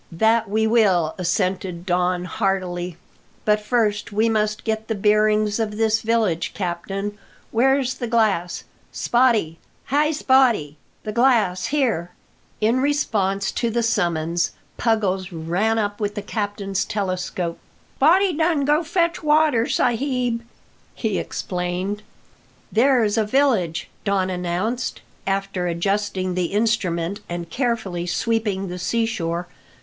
"That we will," assented Don heartily; "but first we must get the bearings of this village, captain. Where's the glass? Spottie! Hi, Spottie! the glass here!" In response to the summons, Puggles ran up with the captain's telescope. "Spottie done go fetch water, sa'b," he explained. "There is a village," Don announced, after adjusting the instrument and carefully sweeping the sea shore.